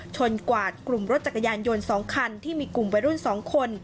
กวาดกลุ่มรถจักรยานยนต์๒คันที่มีกลุ่มวัยรุ่น๒คน